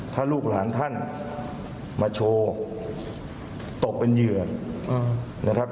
ถ้าลูกหลานท่านมาโชว์ตกเป็นเหยื่อนะครับ